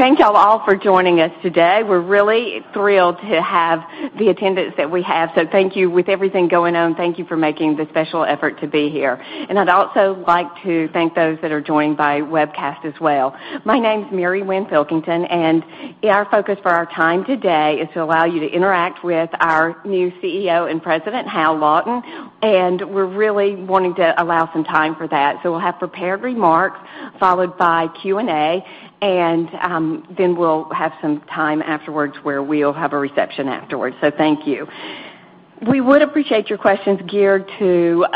Thank you all for joining us today. We're really thrilled to have the attendance that we have. Thank you. With everything going on, thank you for making the special effort to be here. I'd also like to thank those that are joined by webcast as well. My name's Mary Winn Pilkington. Our focus for our time today is to allow you to interact with our new CEO and President, Hal Lawton. We're really wanting to allow some time for that. We'll have prepared remarks followed by Q&A. We'll have some time afterwards where we'll have a reception afterwards. Thank you. We would appreciate your questions geared to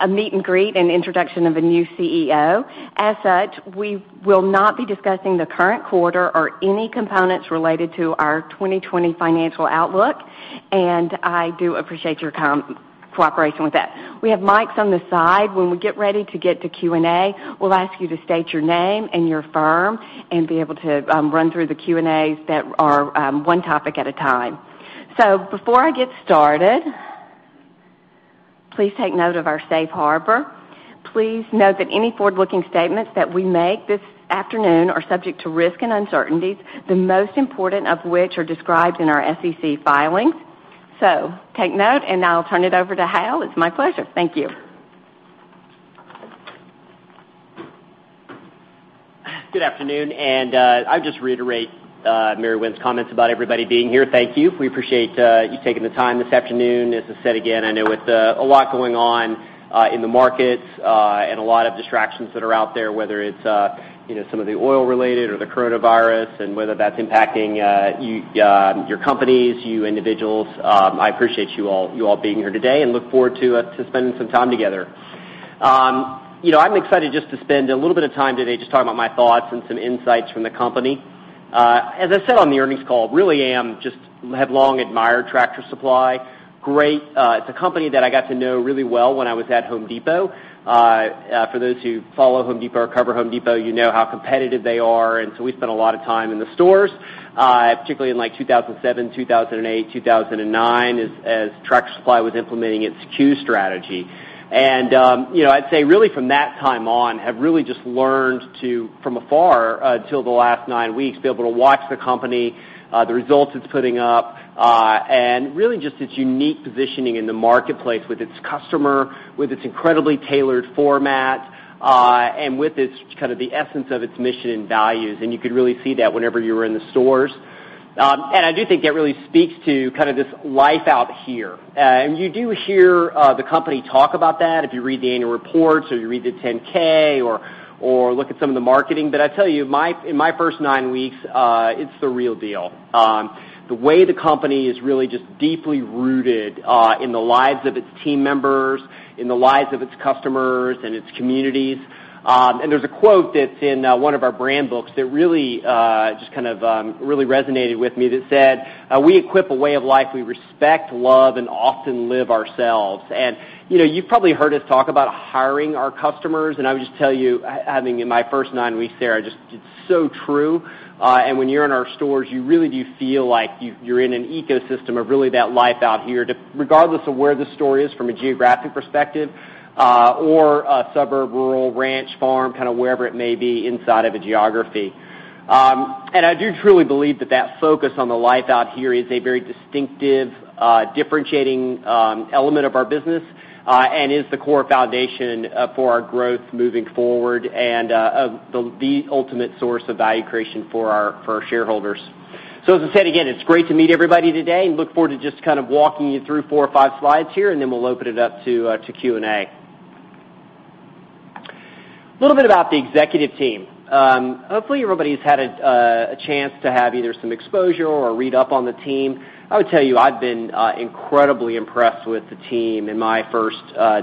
a meet and greet and introduction of a new CEO. As such, we will not be discussing the current quarter or any components related to our 2020 financial outlook, and I do appreciate your cooperation with that. We have mics on the side. When we get ready to get to Q&A, we'll ask you to state your name and your firm and be able to run through the Q&As that are one topic at a time. Before I get started, please take note of our safe harbor. Please note that any forward-looking statements that we make this afternoon are subject to risks and uncertainties, the most important of which are described in our SEC filings. Take note, and I'll turn it over to Hal. It's my pleasure. Thank you. Good afternoon. I'll just reiterate Mary Winn's comments about everybody being here. Thank you. We appreciate you taking the time this afternoon. As I said again, I know with a lot going on in the markets and a lot of distractions that are out there, whether it's some of the oil-related or the coronavirus and whether that's impacting your companies, you individuals, I appreciate you all being here today and look forward to spending some time together. I'm excited just to spend a little bit of time today just talking about my thoughts and some insights from the company. As I said on the earnings call, really have long admired Tractor Supply. Great. It's a company that I got to know really well when I was at The Home Depot. For those who follow The Home Depot or cover The Home Depot, you know how competitive they are. We spent a lot of time in the stores, particularly in 2007, 2008, 2009, as Tractor Supply was implementing its Q strategy. I'd say really from that time on, have really just learned to, from afar until the last nine weeks, be able to watch the company, the results it's putting up, and really just its unique positioning in the marketplace with its customer, with its incredibly tailored format, and with its kind of the essence of its mission and values. You could really see that whenever you were in the stores. I do think that really speaks to kind of this life out here. You do hear the company talk about that if you read the annual reports or you read the 10-K or look at some of the marketing. I tell you, in my first nine weeks, it's the real deal. The way the company is really just deeply rooted in the lives of its team members, in the lives of its customers and its communities. There's a quote that's in one of our brand books that really resonated with me that said, "We equip a way of life we respect, love, and often live ourselves." You've probably heard us talk about hiring our customers, and I would just tell you, having in my first nine weeks there, just it's so true. When you're in our stores, you really do feel like you're in an ecosystem of really that life out here, regardless of where the store is from a geographic perspective, or a suburb, rural, ranch, farm, kind of wherever it may be inside of a geography. I do truly believe that focus on the life out here is a very distinctive, differentiating element of our business and is the core foundation for our growth moving forward and the ultimate source of value creation for our shareholders. As I said again, it's great to meet everybody today and look forward to just kind of walking you through four or five slides here, and then we'll open it up to Q&A. A little bit about the executive team. Hopefully, everybody's had a chance to have either some exposure or read up on the team. I would tell you, I've been incredibly impressed with the team in my first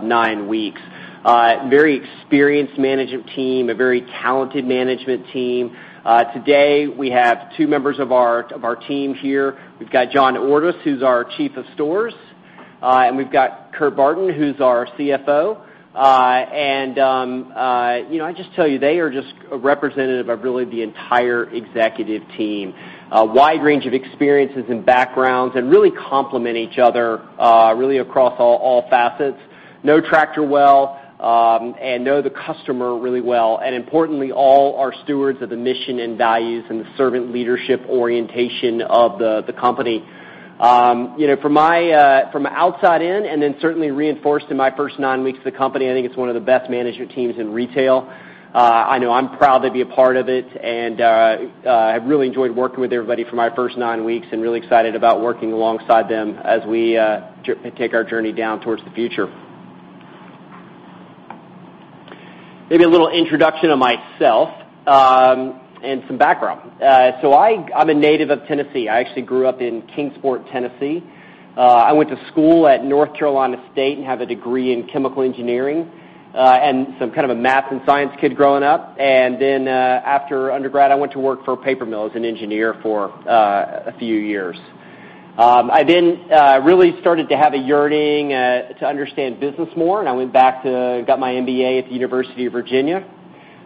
nine weeks. Very experienced management team, a very talented management team. Today, we have two members of our team here. We've got John Ordus, who's our Chief of Stores, and we've got Kurt Barton, who's our CFO. I just tell you, they are just representative of really the entire executive team. A wide range of experiences and backgrounds and really complement each other really across all facets. Know Tractor Supply well, and know the customer really well, and importantly, all are stewards of the mission and values and the servant leadership orientation of the company. From outside in, and then certainly reinforced in my first nine weeks of the company, I think it's one of the best management teams in retail. I know I'm proud to be a part of it, and I've really enjoyed working with everybody for my first nine weeks and really excited about working alongside them as we take our journey down towards the future. Maybe a little introduction of myself and some background. I'm a native of Tennessee. I actually grew up in Kingsport, Tennessee. I went to school at North Carolina State and have a degree in chemical engineering. I'm kind of a math and science kid growing up. After undergrad, I went to work for a paper mill as an engineer for a few years. I really started to have a yearning to understand business more, and I went back to got my MBA at the University of Virginia.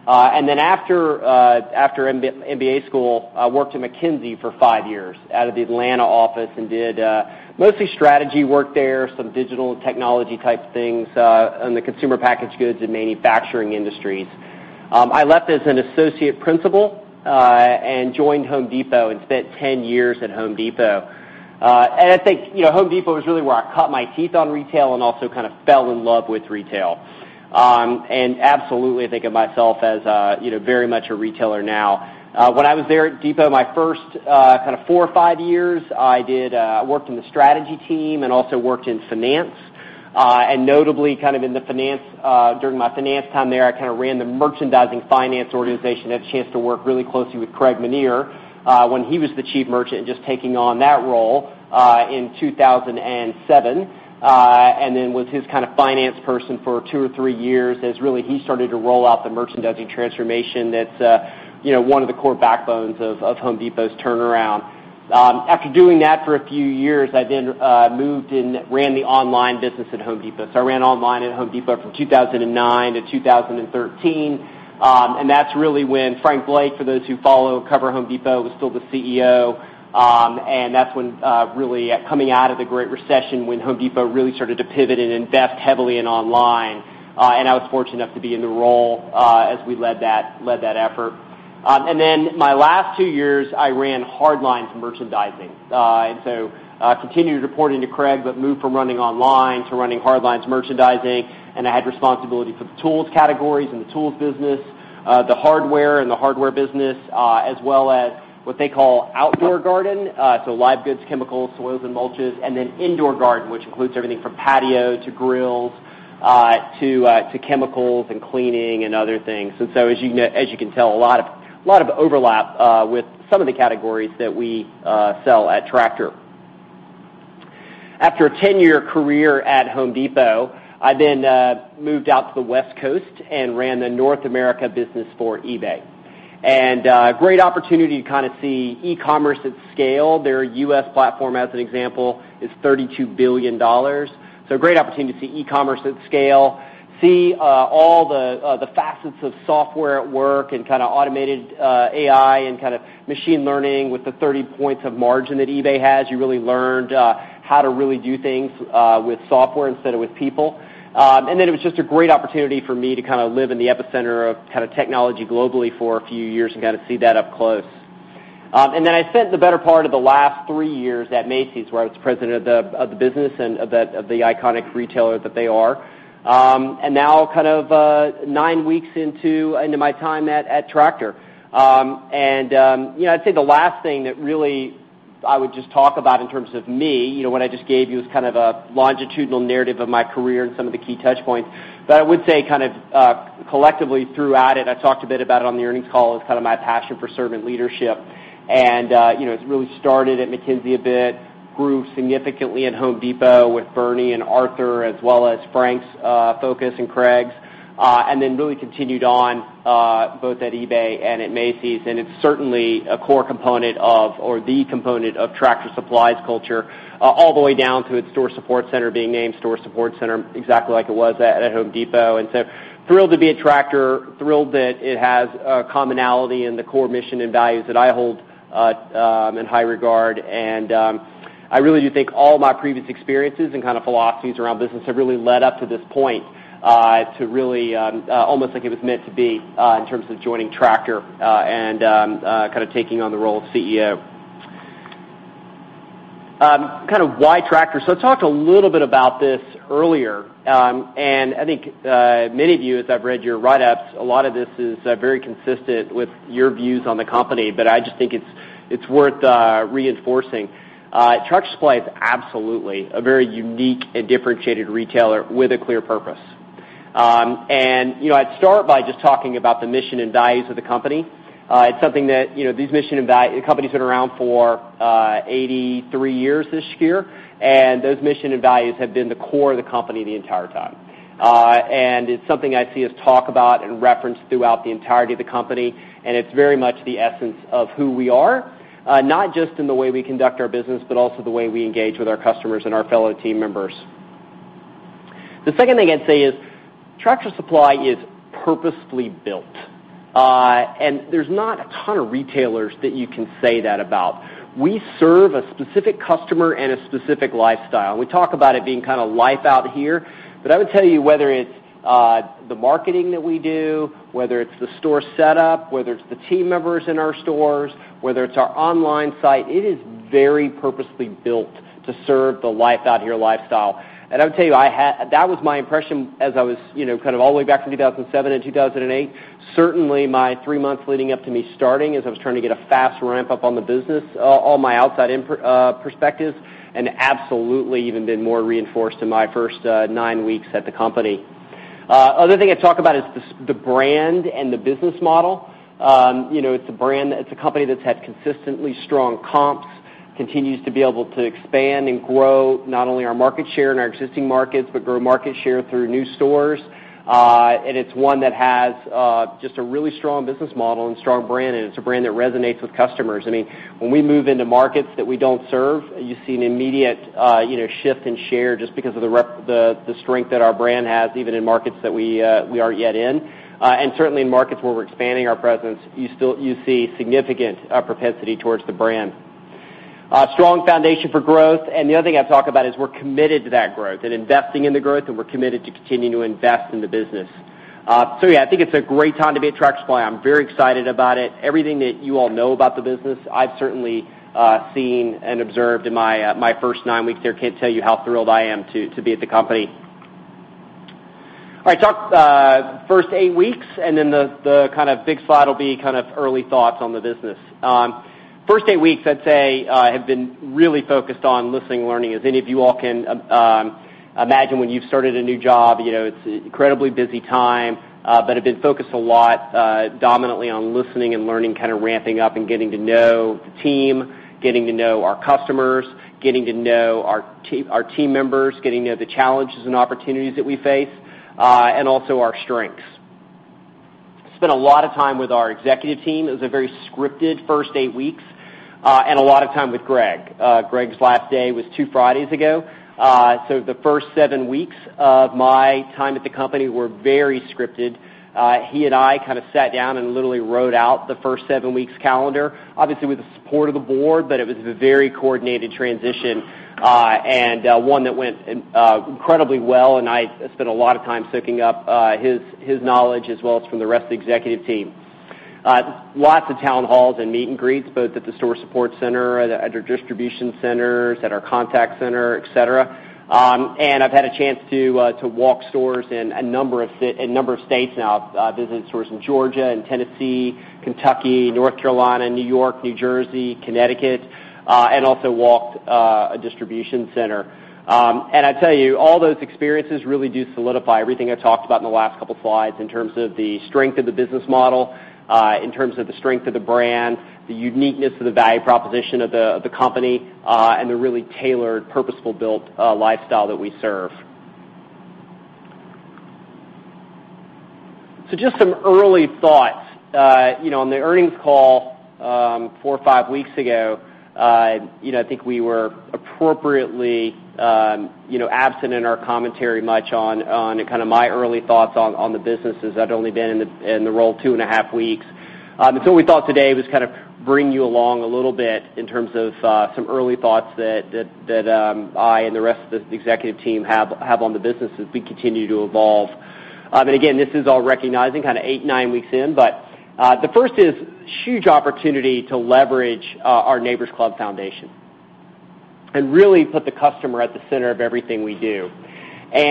After MBA school, I worked at McKinsey for five years out of the Atlanta office and did mostly strategy work there, some digital and technology type things in the consumer packaged goods and manufacturing industries. I left as an associate principal, joined Home Depot and spent 10 years at Home Depot. I think Home Depot is really where I cut my teeth on retail and also kind of fell in love with retail. Absolutely, I think of myself as very much a retailer now. When I was there at Depot, my first four or five years, I worked in the strategy team and also worked in finance. Notably during my finance time there, I ran the merchandising finance organization. I had a chance to work really closely with Craig Menear when he was the Chief Merchant, just taking on that role in 2007, and then was his kind of finance person for two or three years as really he started to roll out the merchandising transformation. That's one of the core backbones of Home Depot's turnaround. After doing that for a few years, I then moved and ran the online business at Home Depot. I ran online at The Home Depot from 2009 to 2013, and that's really when Frank Blake, for those who follow, cover The Home Depot, was still the CEO. That's when really coming out of the Great Recession, when The Home Depot really started to pivot and invest heavily in online. I was fortunate enough to be in the role as we led that effort. My last two years, I ran hardlines merchandising. Continued reporting to Craig, but moved from running online to running hardlines merchandising, and I had responsibility for the tools categories and the tools business, the hardware and the hardware business, as well as what they call outdoor garden, so live goods, chemicals, soils, and mulches, and then indoor garden, which includes everything from patio to grills to chemicals and cleaning and other things. As you can tell, a lot of overlap with some of the categories that we sell at Tractor Supply. After a 10-year career at The Home Depot, I then moved out to the West Coast and ran the North America business for eBay. A great opportunity to kind of see e-commerce at scale. Their U.S. platform, as an example, is $32 billion. A great opportunity to see e-commerce at scale, see all the facets of software at work and kind of automated AI and kind of machine learning with the 30 points of margin that eBay has. You really learned how to really do things with software instead of with people. It was just a great opportunity for me to kind of live in the epicenter of technology globally for a few years and kind of see that up close. I spent the better part of the last three years at Macy's, where I was President of the business and of the iconic retailer that they are. Now kind of nine weeks into my time at Tractor. I'd say the last thing that really I would just talk about in terms of me, what I just gave you is kind of a longitudinal narrative of my career and some of the key touch points. I would say kind of collectively throughout it, I talked a bit about it on the Earnings Call as kind of my passion for servant leadership. It really started at McKinsey a bit, grew significantly at The Home Depot with Bernie and Arthur, as well as Frank's focus and Craig's, and then really continued on both at eBay and at Macy's. It's certainly a core component of, or the component of Tractor Supply's culture, all the way down to its Store Support Center being named Store Support Center, exactly like it was at The Home Depot. Thrilled to be at Tractor, thrilled that it has a commonality in the core mission and values that I hold in high regard. I really do think all my previous experiences and kind of philosophies around business have really led up to this point to really almost like it was meant to be in terms of joining Tractor and kind of taking on the role of CEO. Kind of why Tractor? I talked a little bit about this earlier, and I think many of you, as I've read your write-ups, a lot of this is very consistent with your views on the company, but I just think it's worth reinforcing. Tractor Supply is absolutely a very unique and differentiated retailer with a clear purpose. I'd start by just talking about the mission and values of the company. The company's been around for 83 years this year, and those mission and values have been the core of the company the entire time. It's something I see us talk about and reference throughout the entirety of the company, and it's very much the essence of who we are, not just in the way we conduct our business, but also the way we engage with our customers and our fellow team members. The second thing I'd say is Tractor Supply is purposefully built. There's not a ton of retailers that you can say that about. We serve a specific customer and a specific lifestyle. We talk about it being kind of life out here, I would tell you whether it's the marketing that we do, whether it's the store setup, whether it's the team members in our stores, whether it's our online site, it is very purposefully built to serve the life out here lifestyle. I would tell you, that was my impression as I was kind of all the way back from 2007 and 2008. Certainly my three months leading up to me starting as I was trying to get a fast ramp-up on the business, all my outside perspectives, and absolutely even been more reinforced in my first nine weeks at the company. The other thing I'd talk about is the brand and the business model. It's a company that's had consistently strong comps, continues to be able to expand and grow not only our market share in our existing markets, but grow market share through new stores. It's one that has just a really strong business model and strong brand, and it's a brand that resonates with customers. When we move into markets that we don't serve, you see an immediate shift in share just because of the strength that our brand has, even in markets that we aren't yet in. Certainly in markets where we're expanding our presence, you see significant propensity towards the brand. A strong foundation for growth. The other thing I'd talk about is we're committed to that growth and investing in the growth, and we're committed to continuing to invest in the business. Yeah, I think it's a great time to be at Tractor Supply. I'm very excited about it. Everything that you all know about the business, I've certainly seen and observed in my first nine weeks here. Can't tell you how thrilled I am to be at the company. All right, talk first eight weeks, and then the big slide will be kind of early thoughts on the business. First eight weeks, I'd say, have been really focused on listening, learning. As any of you all can imagine, when you've started a new job, it's an incredibly busy time, but have been focused a lot dominantly on listening and learning, kind of ramping up and getting to know the team, getting to know our customers, getting to know our team members, getting to know the challenges and opportunities that we face, and also our strengths. Spent a lot of time with our executive team. It was a very scripted first eight weeks, and a lot of time with Greg. Greg's last day was two Fridays ago. The first seven weeks of my time at the company were very scripted. He and I kind of sat down and literally wrote out the first seven weeks calendar, obviously with the support of the board, but it was a very coordinated transition, and one that went incredibly well, and I spent a lot of time soaking up his knowledge as well as from the rest of the executive team. Lots of town halls and meet and greets, both at the Store Support Center, at our distribution centers, at our contact center, et cetera. I've had a chance to walk stores in a number of states now. I've visited stores in Georgia and Tennessee, Kentucky, North Carolina, New York, New Jersey, Connecticut, and also walked a distribution center. I tell you, all those experiences really do solidify everything I talked about in the last couple of slides in terms of the strength of the business model, in terms of the strength of the brand, the uniqueness of the value proposition of the company, and the really tailored, purposeful-built lifestyle that we serve. Just some early thoughts. On the earnings call four or five weeks ago, I think we were appropriately absent in our commentary much on kind of my early thoughts on the business, as I'd only been in the role two and a half weeks. What we thought today was kind of bring you along a little bit in terms of some early thoughts that I and the rest of the executive team have on the business as we continue to evolve. Again, this is all recognizing kind of eight, nine weeks in, but the first is huge opportunity to leverage our Neighbor's Club foundation and really put the customer at the center of everything we do. What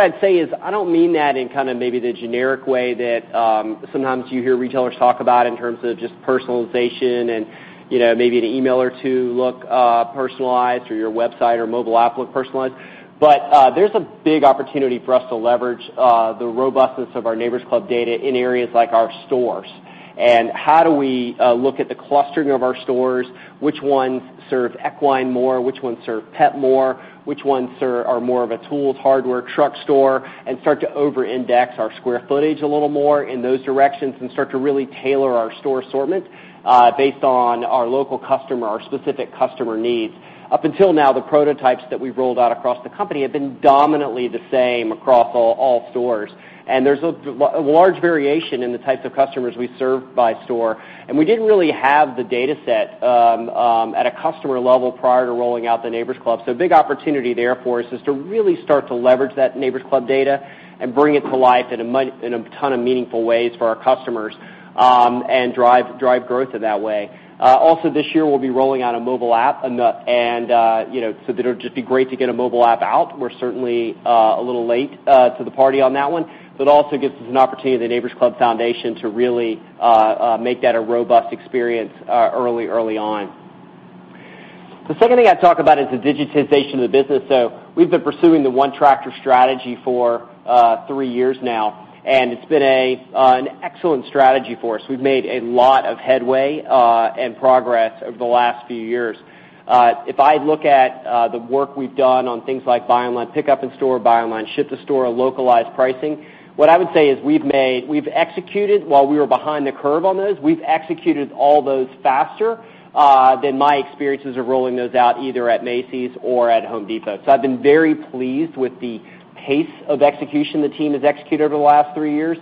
I'd say is, I don't mean that in kind of maybe the generic way that sometimes you hear retailers talk about in terms of just personalization and maybe an email or two look personalized or your website or mobile app look personalized. There's a big opportunity for us to leverage the robustness of our Neighbor's Club data in areas like our stores and how do we look at the clustering of our stores, which ones serve equine more, which ones serve pet more, which ones are more of a tools, hardware, truck store, and start to over-index our square footage a little more in those directions and start to really tailor our store assortment based on our local customer, our specific customer needs. Up until now, the prototypes that we've rolled out across the company have been dominantly the same across all stores. There's a large variation in the types of customers we serve by store, and we didn't really have the dataset at a customer level prior to rolling out the Neighbor's Club. A big opportunity there for us is to really start to leverage that Neighbor's Club data and bring it to life in a ton of meaningful ways for our customers and drive growth in that way. Also this year, we'll be rolling out a mobile app, that'll just be great to get a mobile app out. We're certainly a little late to the party on that one, but it also gives us an opportunity, the Neighbor's Club Foundation, to really make that a robust experience early on. The second thing I'd talk about is the digitization of the business. We've been pursuing the One Tractor strategy for three years now, and it's been an excellent strategy for us. We've made a lot of headway and progress over the last few years. If I look at the work we've done on things like buy online, pick up in store, buy online, ship to store, localized pricing, what I would say is we've executed while we were behind the curve on those, we've executed all those faster than my experiences of rolling those out either at Macy's or at The Home Depot. I've been very pleased with the pace of execution the team has executed over the last three years.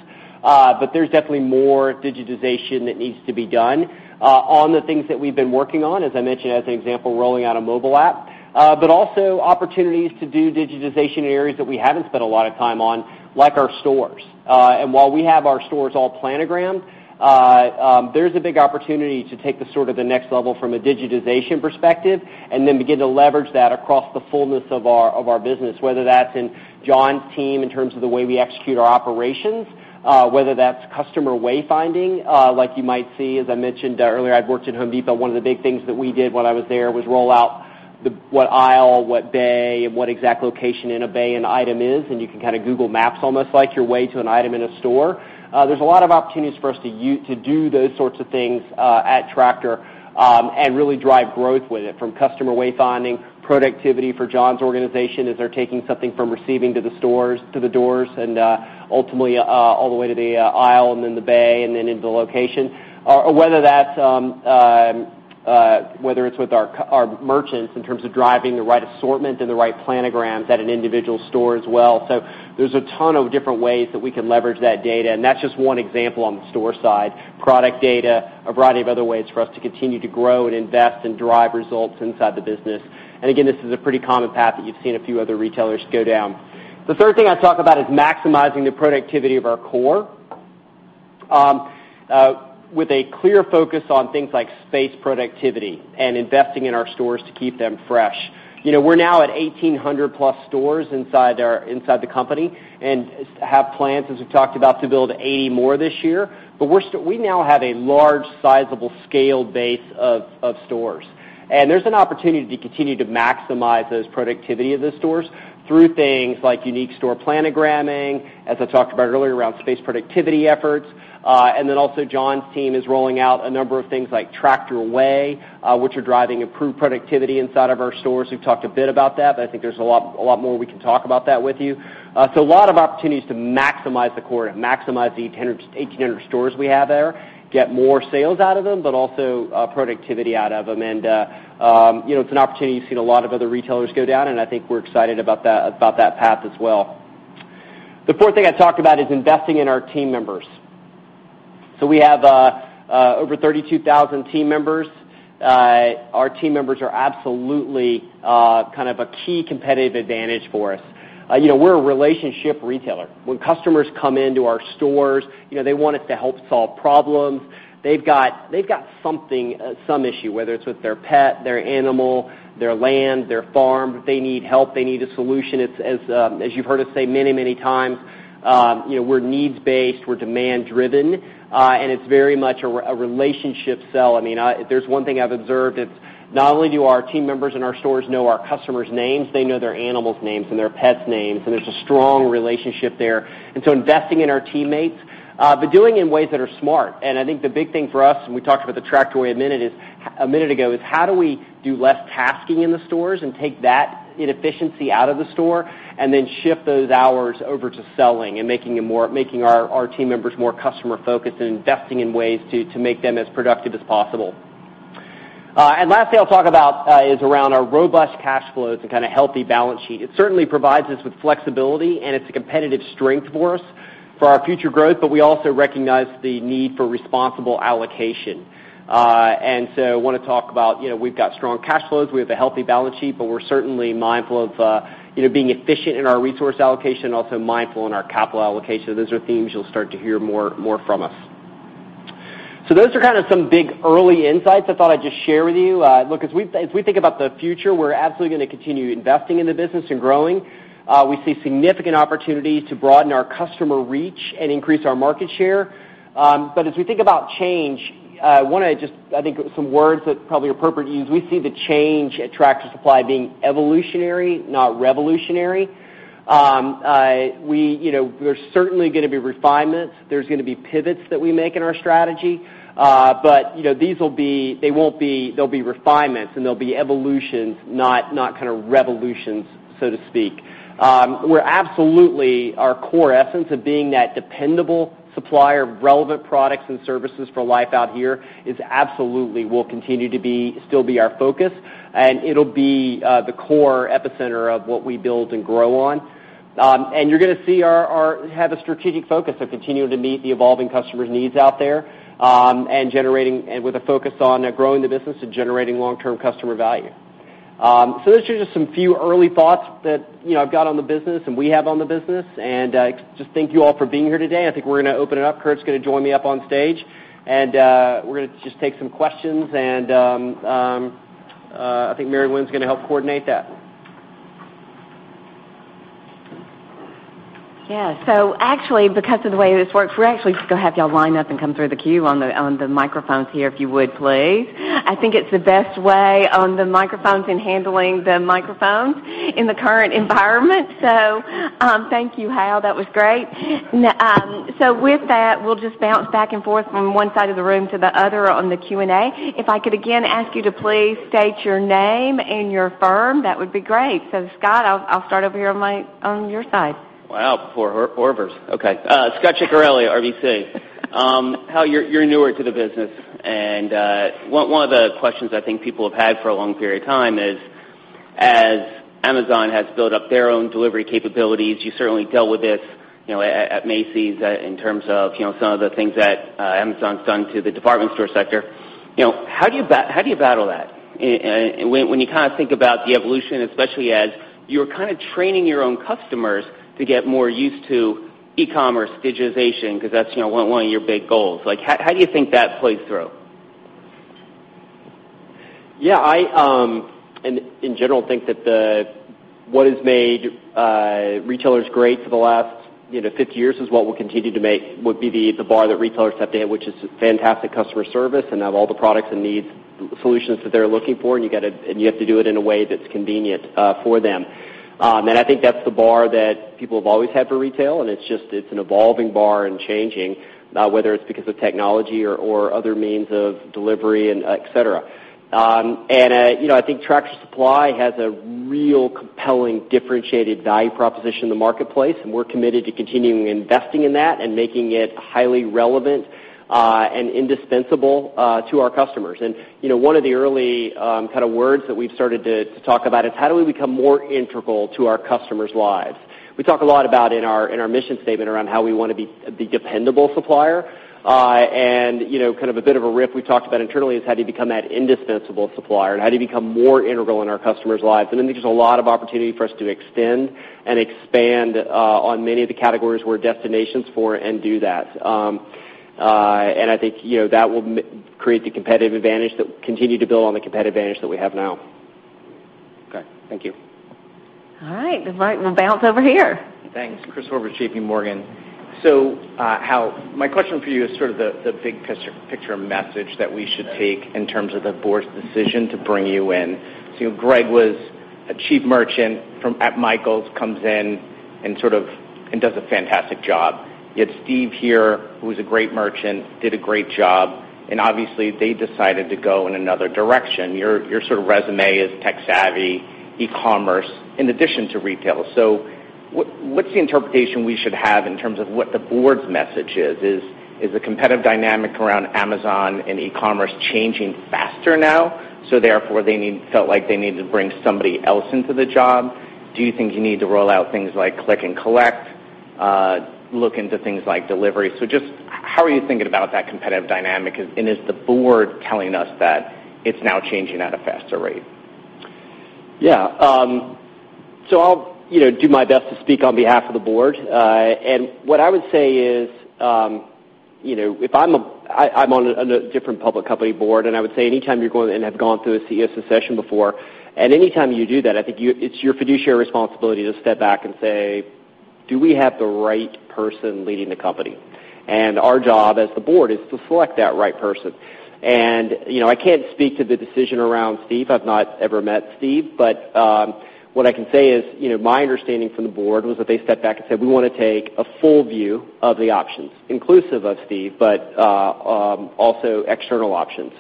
There's definitely more digitization that needs to be done on the things that we've been working on, as I mentioned, as an example, rolling out a mobile app. Also opportunities to do digitization in areas that we haven't spent a lot of time on, like our stores. While we have our stores all planogrammed, there's a big opportunity to take this to the next level from a digitization perspective and then begin to leverage that across the fullness of our business, whether that's in John's team in terms of the way we execute our operations, whether that's customer wayfinding, like you might see, as I mentioned earlier, I'd worked at The Home Depot. One of the big things that we did when I was there was roll out what aisle, what bay, and what exact location in a bay an item is, and you can kind of Google Maps almost like your way to an item in a store. There's a lot of opportunities for us to do those sorts of things at Tractor and really drive growth with it, from customer wayfinding, productivity for John's organization as they're taking something from receiving to the stores to the doors and ultimately all the way to the aisle and then the bay and then into the location. Whether it's with our merchants in terms of driving the right assortment and the right planograms at an individual store as well. There's a ton of different ways that we can leverage that data, and that's just one example on the store side. Product data, a variety of other ways for us to continue to grow and invest and drive results inside the business. Again, this is a pretty common path that you've seen a few other retailers go down. The third thing I talk about is maximizing the productivity of our core with a clear focus on things like space productivity and investing in our stores to keep them fresh. We're now at 1,800-plus stores inside the company and have plans, as we've talked about, to build 80 more this year. We now have a large, sizable scale base of stores. There's an opportunity to continue to maximize those productivity of the stores through things like unique store planogramming, as I talked about earlier, around space productivity efforts. Also John's team is rolling out a number of things like Tractor Away, which are driving improved productivity inside of our stores. We've talked a bit about that, but I think there's a lot more we can talk about that with you. A lot of opportunities to maximize the core and maximize the 1,800 stores we have there, get more sales out of them, but also productivity out of them. It's an opportunity you've seen a lot of other retailers go down, and I think we're excited about that path as well. The fourth thing I talk about is investing in our team members. We have over 32,000 team members. Our team members are absolutely kind of a key competitive advantage for us. We're a relationship retailer. When customers come into our stores, they want us to help solve problems. They've got some issue, whether it's with their pet, their animal, their land, their farm. They need help. They need a solution. As you've heard us say many times, we're needs-based, we're demand-driven, and it's very much a relationship sell. If there's one thing I've observed, it's not only do our team members in our stores know our customers' names, they know their animals' names and their pets' names, there's a strong relationship there. Investing in our teammates, but doing it in ways that are smart. I think the big thing for us, and we talked about the Tractor Away a minute ago, is how do we do less tasking in the stores and take that inefficiency out of the store and then shift those hours over to selling and making our team members more customer-focused and investing in ways to make them as productive as possible. Last thing I'll talk about is around our robust cash flows and kind of healthy balance sheet. It certainly provides us with flexibility, and it's a competitive strength for us for our future growth, but we also recognize the need for responsible allocation. I want to talk about we've got strong cash flows, we have a healthy balance sheet, but we're certainly mindful of being efficient in our resource allocation and also mindful in our capital allocation. Those are themes you'll start to hear more from us. Those are kind of some big early insights I thought I'd just share with you. Look, as we think about the future, we're absolutely going to continue investing in the business and growing. We see significant opportunity to broaden our customer reach and increase our market share. As we think about change, I think some words that probably are appropriate to use, we see the change at Tractor Supply being evolutionary, not revolutionary. There's certainly going to be refinements. There's going to be pivots that we make in our strategy. They'll be refinements, and they'll be evolutions, not kind of revolutions, so to speak. Our core essence of being that dependable supplier of relevant products and services for life out here absolutely will continue to still be our focus, and it'll be the core epicenter of what we build and grow on. You're going to see our strategic focus of continuing to meet the evolving customers' needs out there, and with a focus on growing the business and generating long-term customer value. Those are just some few early thoughts that I've got on the business and we have on the business. Just thank you all for being here today. I think we're going to open it up. Kurt's going to join me up on stage. We're going to just take some questions. I think Mary Winn's going to help coordinate that. Yeah. Actually, because of the way this works, we're actually just going to have you all line up and come through the queue on the microphones here, if you would, please. I think it's the best way on the microphones and handling the microphones in the current environment. Thank you, Hal. That was great. With that, we'll just bounce back and forth from one side of the room to the other on the Q&A. If I could again ask you to please state your name and your firm, that would be great. Scott, I'll start over here on your side. Wow. Poor verse. Okay. Scot Ciccarelli, RBC. Hal, you're newer to the business, one of the questions I think people have had for a long period of time is, as Amazon has built up their own delivery capabilities, you certainly dealt with this at Macy's in terms of some of the things that Amazon's done to the department store sector. How do you battle that? When you kind of think about the evolution, especially as you're kind of training your own customers to get more used to e-commerce digitization, because that's one of your big goals. How do you think that plays through? Yeah, I, in general, think that what has made retailers great for the last 50 years is what will continue to be the bar that retailers set today, which is fantastic customer service and have all the products and needs, solutions that they're looking for, and you have to do it in a way that's convenient for them. I think that's the bar that people have always had for retail, and it's an evolving bar and changing, whether it's because of technology or other means of delivery, et cetera. I think Tractor Supply has a real compelling differentiated value proposition in the marketplace, and we're committed to continuing investing in that and making it highly relevant and indispensable to our customers. One of the early words that we've started to talk about is how do we become more integral to our customers' lives. We talk a lot about in our mission statement around how we want to be a dependable supplier. A bit of a riff we talked about internally is how do you become that indispensable supplier and how do you become more integral in our customers' lives. I think there's a lot of opportunity for us to extend and expand on many of the categories we're destinations for and do that. I think that will continue to build on the competitive advantage that we have now. Okay. Thank you. All right. We'll bounce over here. Thanks. Christopher, J.P. Morgan. Hal, my question for you is the big picture message that we should take in terms of the board's decision to bring you in. Greg was a chief merchant at Michaels, comes in and does a fantastic job. You had Steve here, who was a great merchant, did a great job, obviously, they decided to go in another direction. Your resume is tech-savvy, e-commerce in addition to retail. What's the interpretation we should have in terms of what the board's message is? Is the competitive dynamic around Amazon and e-commerce changing faster now, therefore they felt like they needed to bring somebody else into the job? Do you think you need to roll out things like click and collect, look into things like delivery? Just how are you thinking about that competitive dynamic, and is the board telling us that it's now changing at a faster rate? Yeah. I'll do my best to speak on behalf of the board. What I would say is, I'm on a different public company board, and I would say anytime you're going and have gone through a CSO session before, and anytime you do that, I think it's your fiduciary responsibility to step back and say, "Do we have the right person leading the company?" Our job as the board is to select that right person. I can't speak to the decision around Steve. I've not ever met Steve. What I can say is, my understanding from the board was that they stepped back and said, "We want to take a full view of the options," inclusive of Steve, but also external options.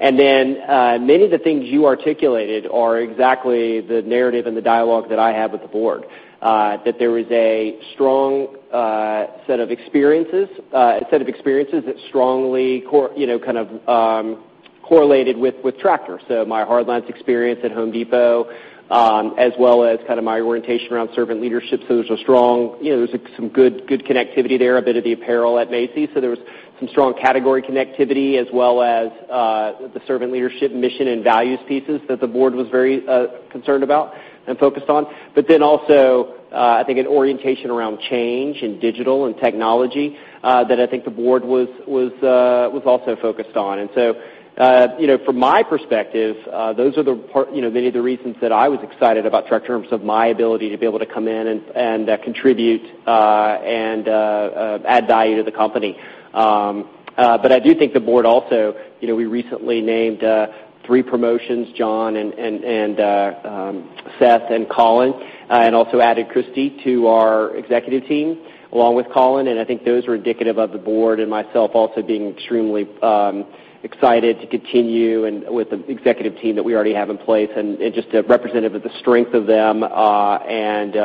Many of the things you articulated are exactly the narrative and the dialogue that I have with the board. There was a strong set of experiences that strongly correlated with Tractor. My hardlines experience at The Home Depot, as well as my orientation around servant leadership. There's some good connectivity there, a bit of the apparel at Macy's. There was some strong category connectivity as well as the servant leadership mission and values pieces that the board was very concerned about and focused on. Also, I think an orientation around change and digital and technology that I think the board was also focused on. From my perspective, those are many of the reasons that I was excited about Tractor in terms of my ability to be able to come in and contribute and add value to the company. I do think the board also, we recently named three promotions, John and Seth and Colin, and also added Christi to our executive team along with Colin. I think those are indicative of the board and myself also being extremely excited to continue and with the executive team that we already have in place and just representative of the strength of them, and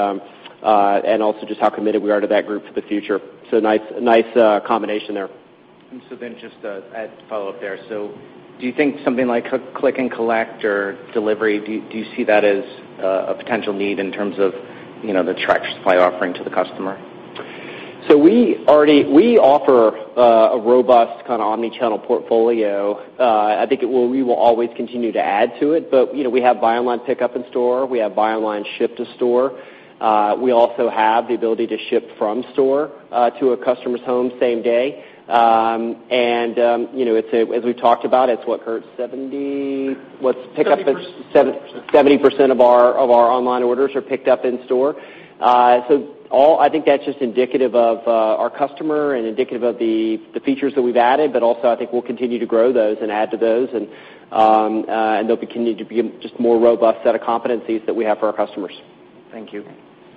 also just how committed we are to that group for the future. Nice combination there. Just to add follow-up there. Do you think something like click and collect or delivery, do you see that as a potential need in terms of the Tractor Supply offering to the customer? We offer a robust omnichannel portfolio. I think we will always continue to add to it. We have buy online pick up in store. We have buy online ship to store. We also have the ability to ship from store to a customer's home same day. As we talked about, it's what, Kurt, 70. 70%. 70% of our online orders are picked up in store. I think that's just indicative of our customer and indicative of the features that we've added. Also, I think we'll continue to grow those and add to those and they'll continue to be just more robust set of competencies that we have for our customers. Thank you.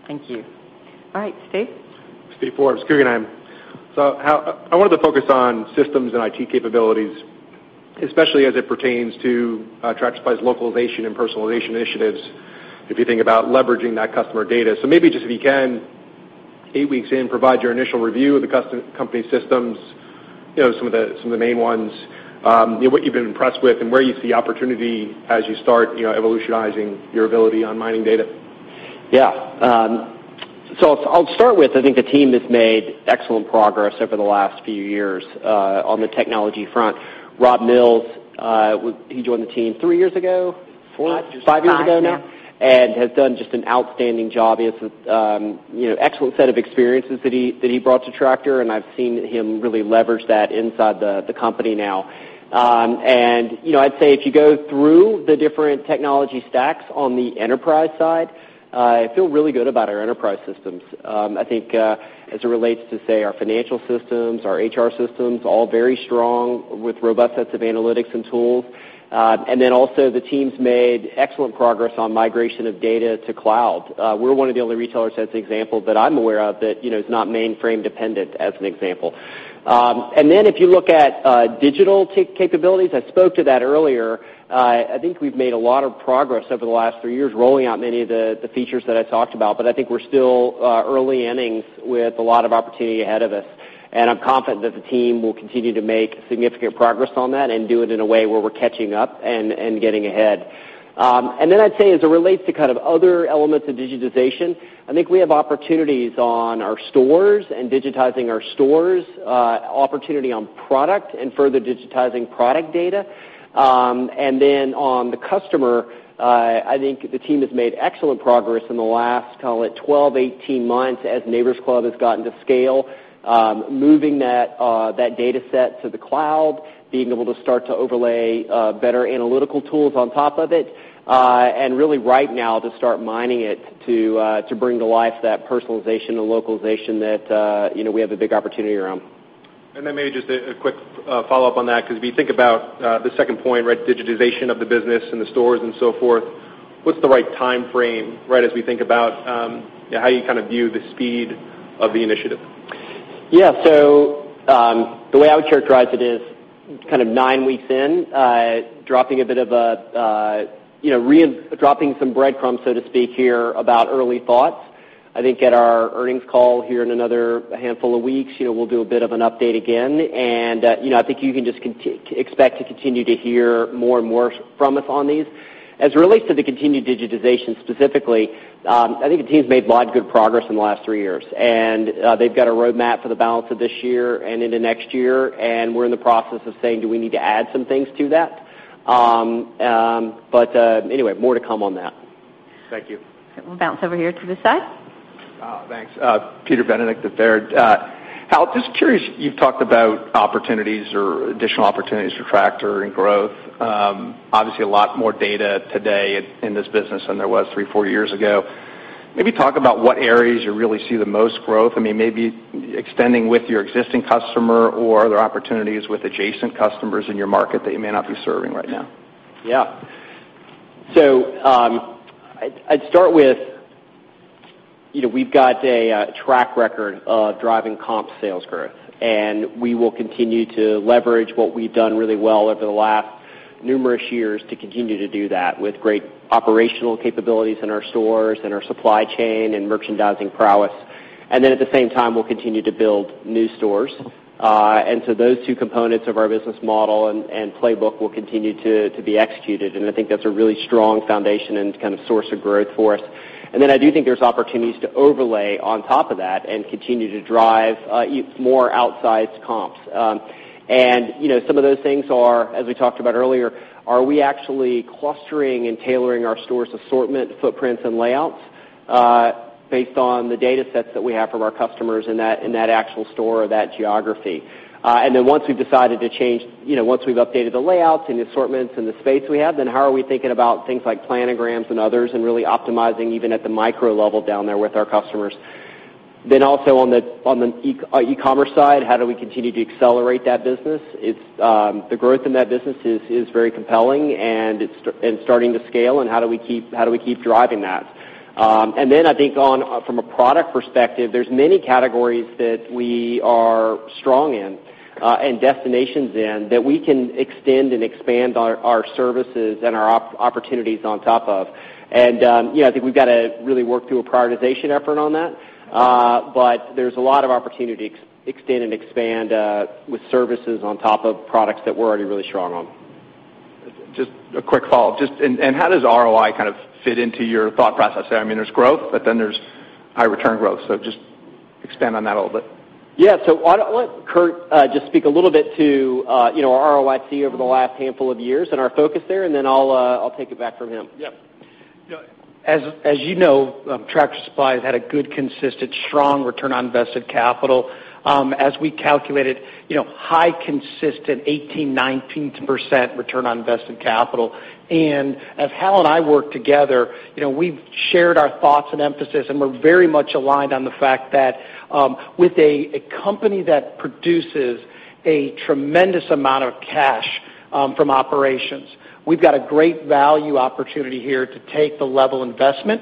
Thank you. All right, Steve. Steve Forbes, Guggenheim. Hal, I wanted to focus on systems and IT capabilities, especially as it pertains to Tractor Supply's localization and personalization initiatives, if you think about leveraging that customer data. Maybe just if you can, eight weeks in, provide your initial review of the company systems, some of the main ones, what you've been impressed with and where you see opportunity as you start evolutionizing your ability on mining data. Yeah. I'll start with, I think the team has made excellent progress over the last few years, on the technology front. Rob Mills, he joined the team three years ago, four, five years ago now. Five, yeah. Has done just an outstanding job. Excellent set of experiences that he brought to Tractor, and I've seen him really leverage that inside the company now. I'd say if you go through the different technology stacks on the enterprise side, I feel really good about our enterprise systems. I think, as it relates to, say, our financial systems, our HR systems, all very strong with robust sets of analytics and tools. Then also the team's made excellent progress on migration of data to cloud. We're one of the only retailers, as example, that I'm aware of that is not mainframe-dependent, as an example. Then if you look at digital capabilities, I spoke to that earlier. I think we've made a lot of progress over the last three years rolling out many of the features that I talked about. I think we're still early innings with a lot of opportunity ahead of us. I'm confident that the team will continue to make significant progress on that and do it in a way where we're catching up and getting ahead. Then I'd say as it relates to other elements of digitization, I think we have opportunities on our stores and digitizing our stores, opportunity on product and further digitizing product data. Then on the customer, I think the team has made excellent progress in the last, call it, 12, 18 months as Neighbor's Club has gotten to scale, moving that data set to the cloud, being able to start to overlay better analytical tools on top of it, and really right now to start mining it to bring to life that personalization and localization that we have a big opportunity around. Maybe just a quick follow-up on that, because if you think about the second point, digitization of the business and the stores and so forth, what's the right timeframe as we think about how you view the speed of the initiative? Yeah. The way I would characterize it is kind of nine weeks in, dropping some breadcrumbs, so to speak, here about early thoughts. I think at our earnings call here in another handful of weeks, we'll do a bit of an update again. I think you can just expect to continue to hear more and more from us on these. As it relates to the continued digitization specifically, I think the team's made a lot of good progress in the last three years, and they've got a roadmap for the balance of this year and into next year, and we're in the process of saying, do we need to add some things to that? Anyway, more to come on that. Thank you. We'll bounce over here to the side. Thanks. Peter Benedict at Baird. Hal, just curious, you've talked about opportunities or additional opportunities for Tractor and growth. Obviously, a lot more data today in this business than there was three, four years ago. Maybe talk about what areas you really see the most growth. Maybe extending with your existing customer or other opportunities with adjacent customers in your market that you may not be serving right now. I'd start with, we've got a track record of driving comp sales growth, and we will continue to leverage what we've done really well over the last numerous years to continue to do that with great operational capabilities in our stores and our supply chain and merchandising prowess. At the same time, we'll continue to build new stores. Those two components of our business model and playbook will continue to be executed, and I think that's a really strong foundation and source of growth for us. I do think there's opportunities to overlay on top of that and continue to drive more outsized comps. Some of those things are, as we talked about earlier, are we actually clustering and tailoring our store's assortment, footprints, and layouts based on the data sets that we have from our customers in that actual store or that geography? Then once we've updated the layouts and the assortments and the space we have, then how are we thinking about things like planograms and others and really optimizing even at the micro level down there with our customers? Also on the e-commerce side, how do we continue to accelerate that business? The growth in that business is very compelling and starting to scale, and how do we keep driving that? Then I think from a product perspective, there's many categories that we are strong in and destinations in that we can extend and expand our services and our opportunities on top of. I think we've got to really work through a prioritization effort on that. There's a lot of opportunity to extend and expand with services on top of products that we're already really strong on. Just a quick follow-up. How does ROI fit into your thought process there? There's growth, but then there's high return growth. Just expand on that a little bit. Yeah. I'll let Kurt just speak a little bit to our ROIC over the last handful of years and our focus there, and then I'll take it back from him. Yeah. As you know, Tractor Supply has had a good, consistent, strong return on invested capital. As we calculated, high, consistent, 18%, 19% return on invested capital. As Hal and I work together, we've shared our thoughts and emphasis, and we're very much aligned on the fact that with a company that produces a tremendous amount of cash from operations, we've got a great value opportunity here to take the level investment.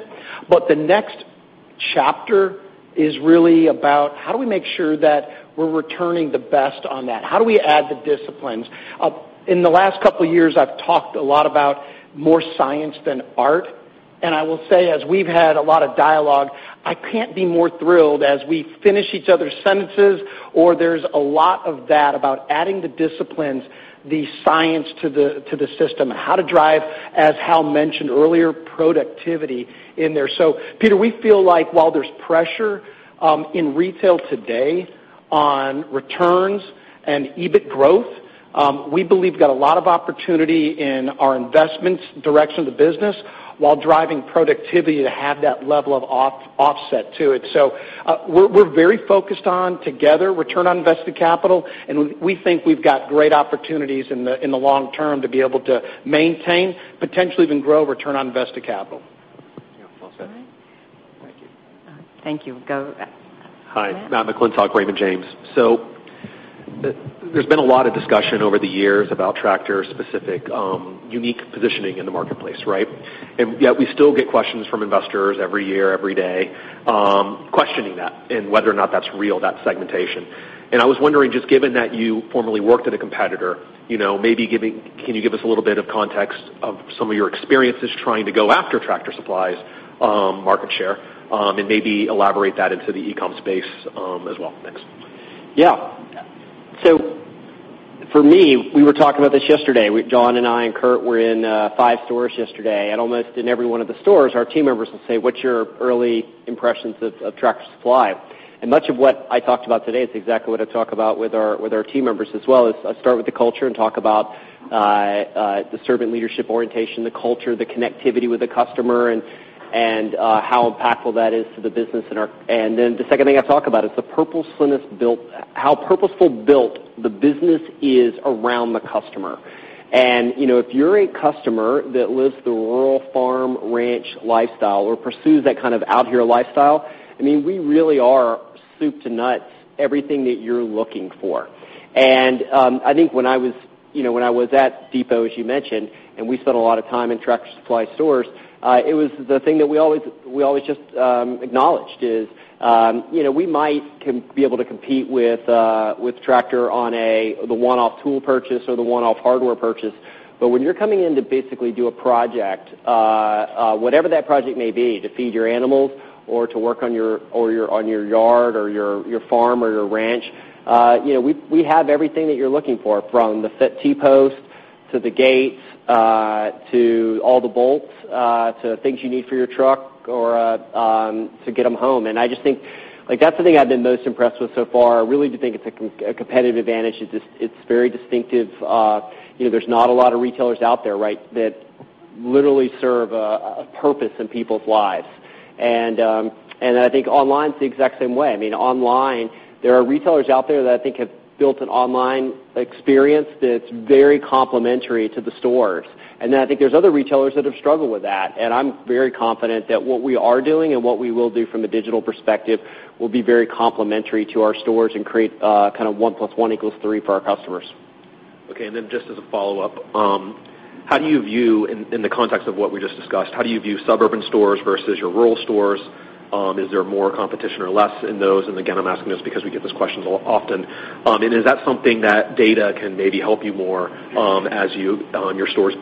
The next chapter is really about how do we make sure that we're returning the best on that? How do we add the disciplines? In the last couple of years, I've talked a lot about more science than art, and I will say, as we've had a lot of dialogue, I can't be more thrilled as we finish each other's sentences, or there's a lot of that about adding the disciplines, the science to the system, how to drive, as Hal mentioned earlier, productivity in there. Peter, we feel like while there's pressure in retail today on returns and EBIT growth, we believe we've got a lot of opportunity in our investments, direction of the business while driving productivity to have that level of offset to it. We're very focused on, together, return on invested capital, and we think we've got great opportunities in the long term to be able to maintain, potentially even grow, return on invested capital. Yeah. Well said. Thank you. All right. Thank you. Go. Matt? Hi. Matt McClintock, Raymond James. There's been a lot of discussion over the years about Tractor's specific, unique positioning in the marketplace, right? Yet we still get questions from investors every year, every day, questioning that and whether or not that's real, that segmentation. I was wondering, just given that you formerly worked at a competitor, maybe can you give us a little bit of context of some of your experiences trying to go after Tractor Supply's market share, and maybe elaborate that into the e-com space as well? Thanks. For me, we were talking about this yesterday. John and I and Kurt were in five stores yesterday. Almost in every one of the stores, our team members would say, "What's your early impressions of Tractor Supply?" Much of what I talked about today is exactly what I talk about with our team members as well, is I start with the culture and talk about the servant leadership orientation, the culture, the connectivity with the customer, and how impactful that is to the business. The second thing I talk about is how purposeful-built the business is around the customer. If you're a customer that lives the rural farm, ranch lifestyle or pursues that kind of out-here lifestyle, we really are soup to nuts, everything that you're looking for. I think when I was at Depot, as you mentioned, and we spent a lot of time in Tractor Supply stores, it was the thing that we always just acknowledged is, we might be able to compete with Tractor on the one-off tool purchase or the one-off hardware purchase. When you're coming in to basically do a project, whatever that project may be, to feed your animals or to work on your yard or your farm or your ranch, we have everything that you're looking for, from the set T-post to the gates, to all the bolts, to things you need for your truck or to get them home. I just think that's the thing I've been most impressed with so far. I really do think it's a competitive advantage. It's very distinctive. There's not a lot of retailers out there that literally serve a purpose in people's lives. I think online's the exact same way. Online, there are retailers out there that I think have built an online experience that's very complementary to the stores. I think there's other retailers that have struggled with that, and I'm very confident that what we are doing and what we will do from a digital perspective will be very complementary to our stores and create one plus one equals three for our customers. Okay, then just as a follow-up, in the context of what we just discussed, how do you view suburban stores versus your rural stores? Is there more competition or less in those? Again, I'm asking this because we get this question often. Is that something that data can maybe help you more as your stores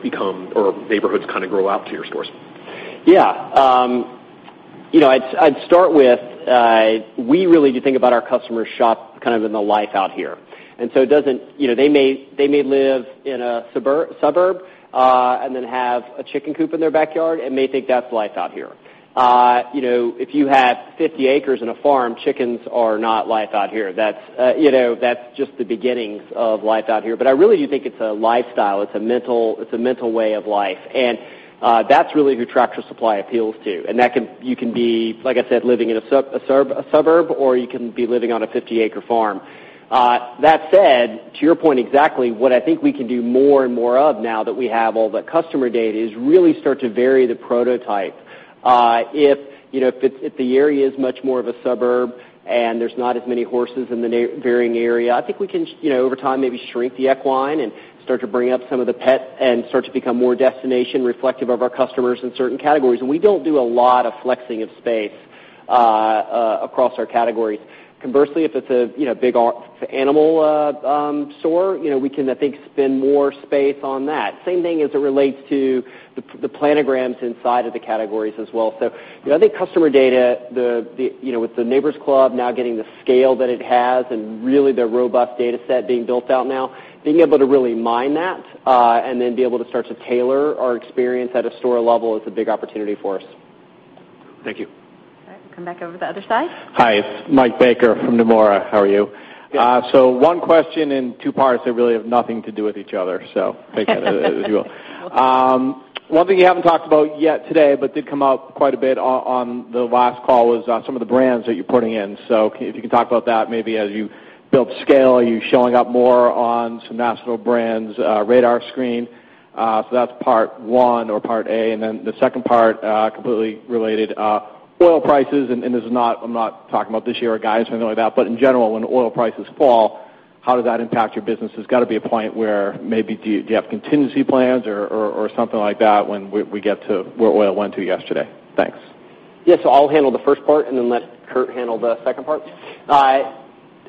or neighborhoods kind of grow out to your stores? Yeah. I'd start with, we really do think about our customers' shop kind of in the life out here. So they may live in a suburb and then have a chicken coop in their backyard and may think that's life out here. If you have 50 acres and a farm, chickens are not life out here. That's just the beginnings of life out here. I really do think it's a lifestyle. It's a mental way of life, and that's really who Tractor Supply appeals to. You can be, like I said, living in a suburb, or you can be living on a 50-acre farm. That said, to your point exactly, what I think we can do more and more of now that we have all the customer data is really start to vary the prototype. If the area is much more of a suburb and there's not as many horses in the varying area, I think we can, over time, maybe shrink the equine and start to bring up some of the pet and start to become more destination reflective of our customers in certain categories. We don't do a lot of flexing of space across our categories. Conversely, if it's a big animal store, we can, I think, spend more space on that. Same thing as it relates to the planograms inside of the categories as well. I think customer data, with the Neighbor's Club now getting the scale that it has and really the robust data set being built out now, being able to really mine that, and then be able to start to tailor our experience at a store level is a big opportunity for us. Thank you. All right. Come back over to the other side. Hi, it's Mike Baker from Nomura. How are you? Good. One question in two parts that really have nothing to do with each other. Take that as you will. One thing you haven't talked about yet today, but did come up quite a bit on the last call was some of the brands that you're putting in. If you could talk about that. Maybe as you build scale, are you showing up more on some national brands' radar screen? That's part one or part A. The second part, completely related. Oil prices, and I'm not talking about this year or guidance or anything like that, but in general, when oil prices fall, how does that impact your business? There's got to be a point where maybe do you have contingency plans or something like that when we get to where oil went to yesterday? Thanks. I'll handle the first part and then let Kurt handle the second part.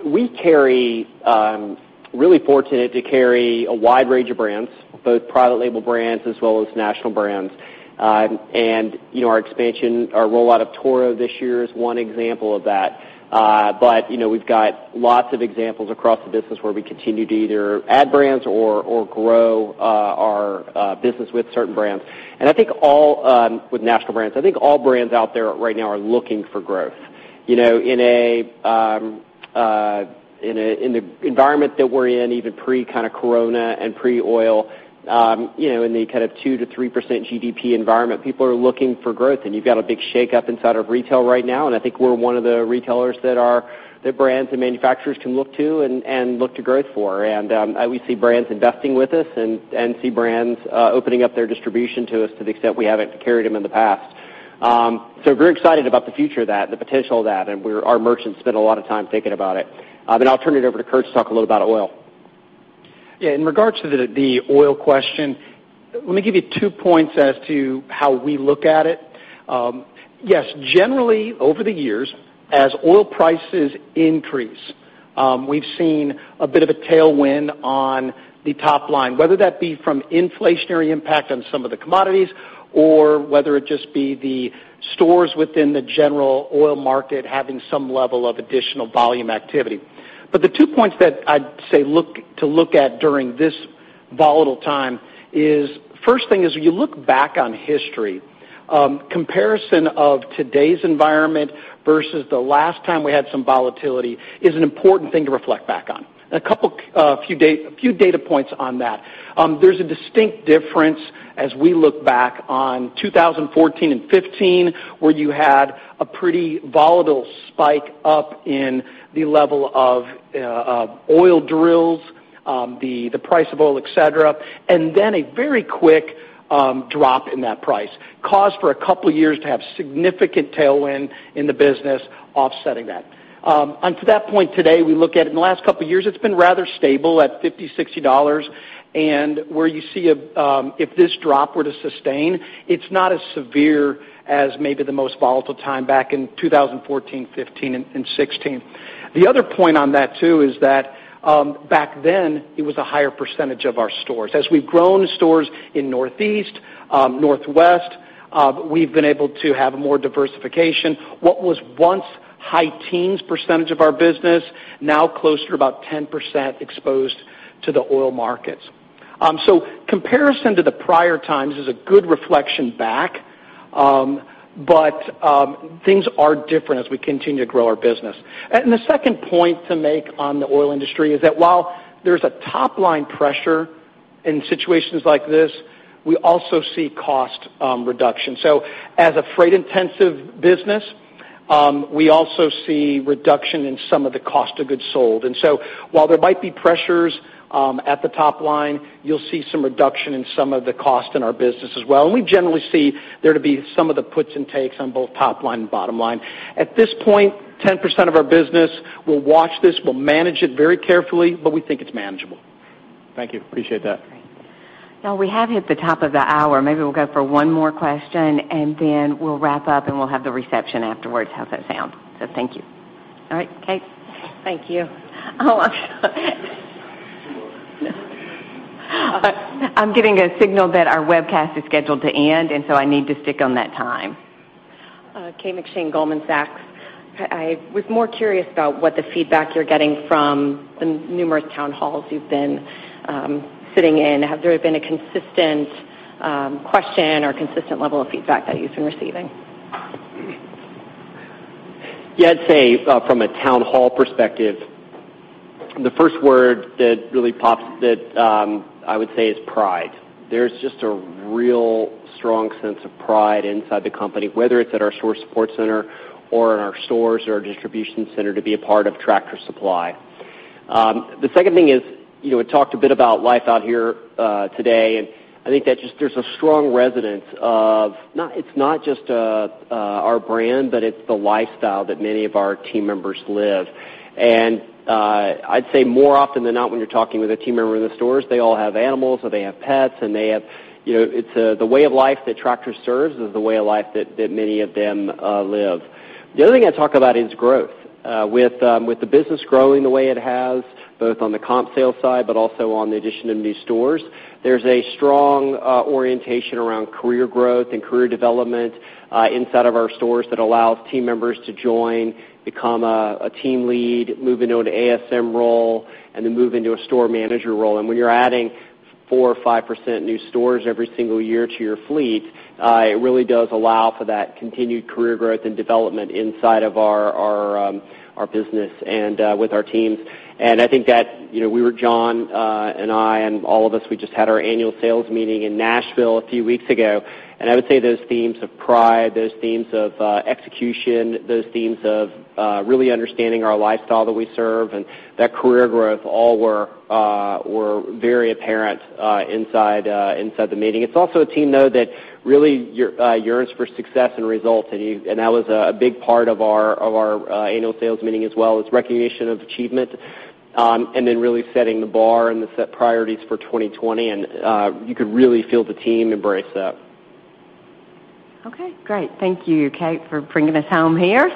We're really fortunate to carry a wide range of brands, both private label brands as well as national brands. Our expansion, our rollout of Toro this year is one example of that. We've got lots of examples across the business where we continue to either add brands or grow our business with certain brands. I think all with national brands. I think all brands out there right now are looking for growth. In the environment that we're in, even pre-Corona and pre-oil, in the kind of 2%-3% GDP environment, people are looking for growth, and you've got a big shakeup inside of retail right now, and I think we're one of the retailers that brands and manufacturers can look to and look to growth for. We see brands investing with us and see brands opening up their distribution to us to the extent we haven't carried them in the past. Very excited about the future of that, the potential of that, and our merchants spend a lot of time thinking about it. I'll turn it over to Kurt to talk a little about oil. Yeah. In regards to the oil question, let me give you two points as to how we look at it. Yes, generally, over the years, as oil prices increase, we've seen a bit of a tailwind on the top line, whether that be from inflationary impact on some of the commodities or whether it just be stores within the general oil market having some level of additional volume activity. The two points that I'd say to look at during this volatile time is, first thing is, when you look back on history, comparison of today's environment versus the last time we had some volatility is an important thing to reflect back on. A few data points on that. There's a distinct difference as we look back on 2014 and 2015, where you had a pretty volatile spike up in the level of oil drills, the price of oil, et cetera, and then a very quick drop in that price. Caused for a couple of years to have significant tailwind in the business offsetting that. To that point today, we look at it, in the last couple of years, it's been rather stable at $50, $60. Where you see if this drop were to sustain, it's not as severe as maybe the most volatile time back in 2014, 2015, and 2016. The other point on that too is that back then, it was a higher percentage of our stores. As we've grown stores in Northeast, Northwest, we've been able to have more diversification. What was once high teens percent of our business, now close to about 10% exposed to the oil markets. Comparison to the prior times is a good reflection back, but things are different as we continue to grow our business. The second point to make on the oil industry is that while there's a top-line pressure in situations like this, we also see cost reduction. As a freight-intensive business, we also see reduction in some of the cost of goods sold. While there might be pressures at the top line, you'll see some reduction in some of the cost in our business as well. We generally see there to be some of the puts and takes on both top line and bottom line. At this point, 10% of our business, we'll watch this, we'll manage it very carefully, but we think it's manageable. Thank you. Appreciate that. Great. Now we have hit the top of the hour. Maybe we'll go for one more question, and then we'll wrap up, and we'll have the reception afterwards. How does that sound? Thank you. All right, Kate. Thank you. I'm getting a signal that our webcast is scheduled to end, and so I need to stick on that time. Kate McShane, Goldman Sachs. I was more curious about what the feedback you're getting from the numerous town halls you've been sitting in. Has there been a consistent question or consistent level of feedback that you've been receiving? Yeah, I'd say from a town hall perspective, the first word that really pops that I would say is pride. There's just a real strong sense of pride inside the company, whether it's at our Store Support Center or in our stores or our distribution center, to be a part of Tractor Supply. The second thing is, I talked a bit about life out here today, I think that there's a strong resonance of it's not just our brand, but it's the lifestyle that many of our team members live. I'd say more often than not when you're talking with a team member in the stores, they all have animals or they have pets. The way of life that Tractor serves is the way of life that many of them live. The other thing I talk about is growth. With the business growing the way it has, both on the comp sales side, but also on the addition of new stores, there's a strong orientation around career growth and career development inside of our stores that allows team members to join, become a team lead, move into an ASM role, and then move into a store manager role. When you're adding 4% or 5% new stores every single year to your fleet, it really does allow for that continued career growth and development inside of our business and with our teams. I think that John and I and all of us, we just had our annual sales meeting in Nashville a few weeks ago, I would say those themes of pride, those themes of execution, those themes of really understanding our lifestyle that we serve and that career growth all were very apparent inside the meeting. It's also a team, though, that really yearns for success and results, and that was a big part of our annual sales meeting as well, is recognition of achievement, and then really setting the bar and the set priorities for 2020, and you could really feel the team embrace that. Okay, great. Thank you, Kate, for bringing us home here.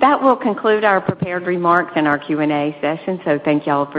That will conclude our prepared remarks and our Q&A session. Thank you all.